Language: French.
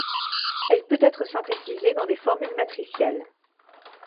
Elle peut être synthétisée dans des formules matricielles.